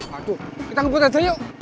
waduh kita ngebut aja yuk